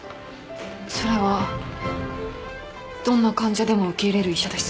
どんな患者でも受け入れる医者です。